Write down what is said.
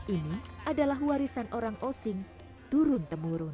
ini adalah warisan orang osing turun temurun